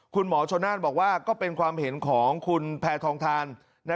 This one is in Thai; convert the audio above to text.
คุณหมอชนนั่นบอกว่าก็เป็นความเห็นของคุณแพทองทาน